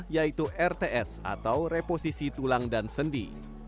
yaitu rts atau reposisi tulang dan sendi